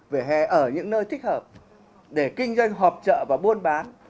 vỉa hè ở những nơi thích hợp để kinh doanh hợp trợ và buôn bán